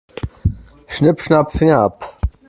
Schnipp-schnapp, Finger ab.